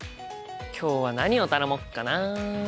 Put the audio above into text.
今日は何を頼もっかな。